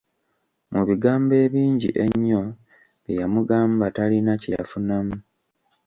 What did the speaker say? Mu bigambo ebingi ennyo bye yamugamba talina kyeyafunamu.